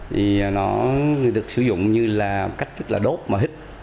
thì nó được sử dụng như là cách thức là đốt mà hít